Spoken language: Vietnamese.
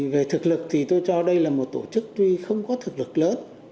về thực lực thì tôi cho đây là một tổ chức tuy không có thực lực lớn